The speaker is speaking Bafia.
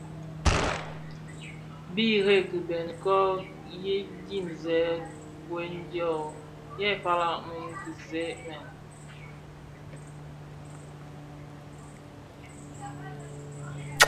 Bi ireb kibeňi kō yin di nsèň khibuen dyō yè fafa a mum kisee mèn.